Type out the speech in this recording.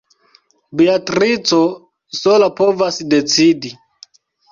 Beatrico sola povas decidi.